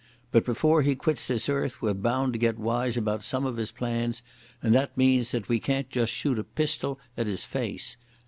But before he quits this earth we're bound to get wise about some of his plans, and that means that we can't just shoot a pistol at his face.